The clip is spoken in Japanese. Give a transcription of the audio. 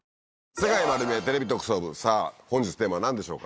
『世界まる見え！テレビ特捜部』本日のテーマは何でしょうか？